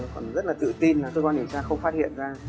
còn rất là tự tin là cơ quan điều tra không phát hiện ra